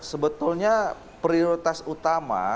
sebetulnya prioritas utama